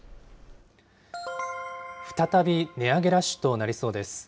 再び値上げラッシュとなりそうです。